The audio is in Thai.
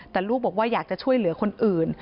แต่ลูกบอกว่าอยากจะช่วยเหลือคนอื่น